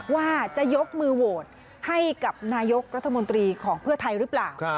ว่าจะยกมือโหวตให้กับนายกรัฐมนตรีของเพื่อไทยหรือเปล่า